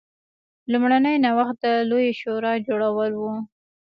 لومړنی نوښت د لویې شورا جوړول و.